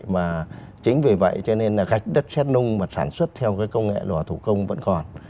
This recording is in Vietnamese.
mà chính vì vậy cho nên là gạch đất xét nung mà sản xuất theo cái công nghệ lò thủ công vẫn còn